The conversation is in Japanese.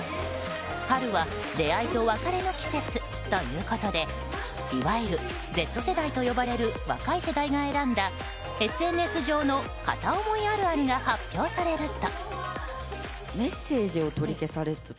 春は出会いと別れの季節ということでいわゆるＺ世代と呼ばれる若い世代が選んだＳＮＳ上の片思いあるあるが発表されると。